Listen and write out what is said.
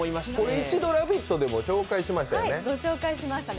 一度「ラヴィット！」でも紹介しましたよね。